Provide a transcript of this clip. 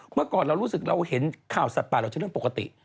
เมื่อก่อนเรารู้สึกเราเห็นข่าวสัตว์ป่าเราจะเรื่องปกติ